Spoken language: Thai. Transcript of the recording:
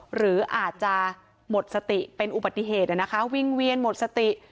หรืออาจจะหมดสติเป็นอุบัติเหตุนะคะวิ่งเวียนหมดสติ